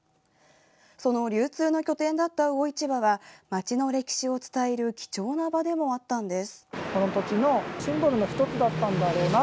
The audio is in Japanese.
その流通の拠点だった魚市場は町の歴史を伝える貴重な場でもあったんです。